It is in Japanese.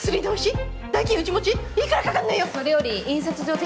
いくらかかんのよ！？